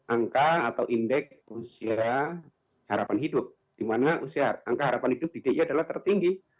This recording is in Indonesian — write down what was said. angka atau indeks usia harapan hidup di mana usia angka harapan hidup di dia adalah tertinggi